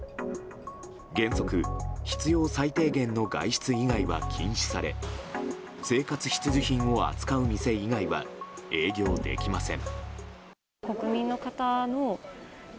原則、必要最低限の外出以外は禁止され生活必需品を扱う店以外は営業できません。